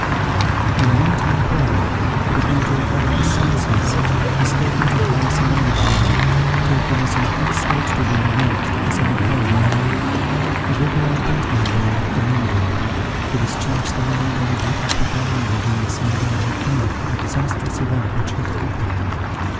In the meantime Paul, who began to recover his senses, was taken to a house in the neighbourhood, till he was in a fit state to be removed to his own home. Thither I bent my way with Domingo, to discharge the melancholy duty of preparing Virginia's mother and her friend for the disastrous event which had happened.